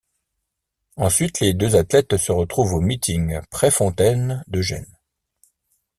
Ensuite les deux athlètes se retrouvent au meeting Prefontaine d'Eugene.